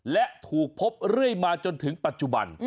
และถูกพบเรื่อยมาจนถึงปัจจุบัน